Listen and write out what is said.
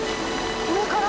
上から？